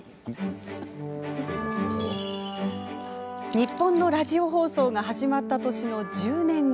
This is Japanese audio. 日本のラジオ放送が始まった年の１０年後。